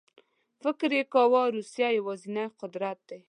فکر یې کاوه روسیه یوازینی قدرت دی.